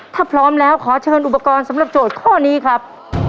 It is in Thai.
ถ้าพร้อมแล้วขอเชิญอุปกรณ์สำหรับโจทย์ข้อนี้ครับ